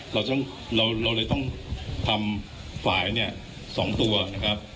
เราเลยต้องทำฝ่ายเนี่ย๒ตัวนะครับ